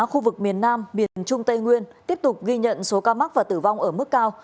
khu vực miền nam miền trung tây nguyên tiếp tục ghi nhận số ca mắc và tử vong ở mức cao